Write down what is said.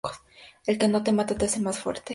Lo que no te mata te hace más fuerte